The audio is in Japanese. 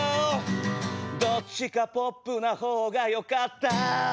「どっちかポップな方がよかった」